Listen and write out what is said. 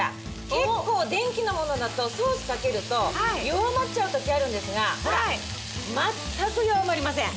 結構電気のものだとソースかけると弱まっちゃう時あるんですがほら全く弱まりません！